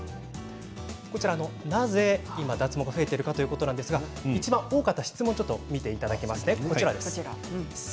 なぜ今、脱毛が増えているかということなんですがいちばん多かった質問を見ていただきますね。